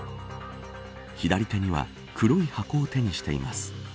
左手には黒い箱を手にしています。